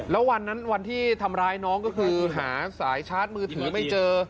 แล้ววันนั้นวันที่ทำร้ายน้องก็คือหาสายชาร์จมือถือไม่เจอ